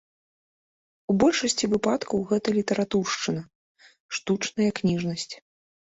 У большасці выпадкаў гэта літаратуршчына, штучная кніжнасць.